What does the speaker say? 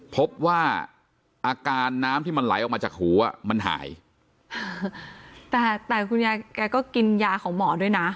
พบว่าอาการน้ำที่มันไหลออกมาจากหูอ่ะมันหายแต่แต่คุณยายแกก็กินยาของหมอด้วยนะ